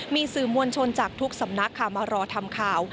มีสื่อมวลชนจากทุกสำนักค่ะมารอทำข่าว